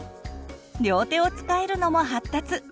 両手を使えるのも発達！